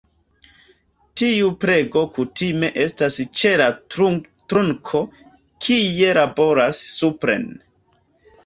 Tiu pego kutime estas ĉe la trunko, kie laboras supren.